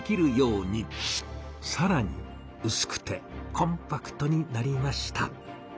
さらにうすくてコンパクトになりました。